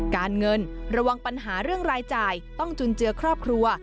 การเงินระวังปัญหาเรื่องรายจ่ายต้องจุนเจือครอบครัว